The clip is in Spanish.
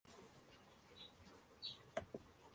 estar caminando en la cuerda floja